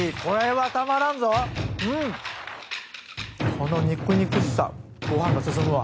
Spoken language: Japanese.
この肉々しさご飯が進むわ。